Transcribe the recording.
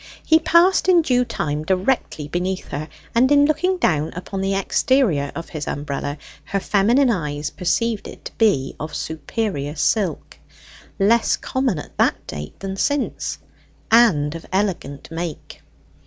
He passed in due time directly beneath her, and in looking down upon the exterior of his umbrella her feminine eyes perceived it to be of superior silk less common at that date than since and of elegant make.